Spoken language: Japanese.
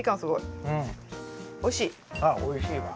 あっおいしいわ。